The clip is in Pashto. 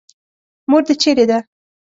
مور دې چېرې ده.